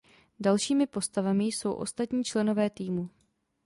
Dalšími postavami jsou ostatní členové týmu.